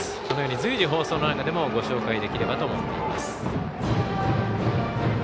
このように随時、放送の中でもご紹介できればと思っています。